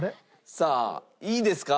さあいいですか？